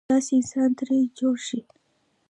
یو داسې انسان ترې جوړ شي.